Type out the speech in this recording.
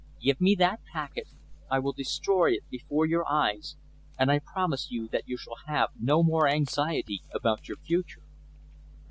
Give me that packet, I will destroy it before your eyes, and I promise you that you shall have no more anxiety about your future."